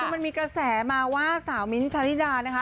มันมีกระแสมาว่าสาวมิ้นท์ชาวนิดา